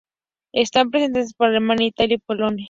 Están presentes en Alemania, Italia y Polonia.